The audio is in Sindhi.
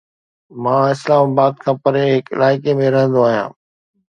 مان اسلام آباد کان پري هڪ علائقي ۾ رهندو آهيان